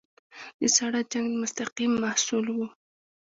د ساړه جنګ مستقیم محصول وو.